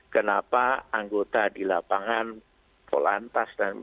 kenapa anggota di lapangan polantas